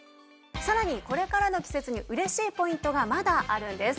さらにこれからの季節に嬉しいポイントがまだあるんです。